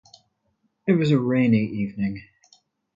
It was a rainy evening.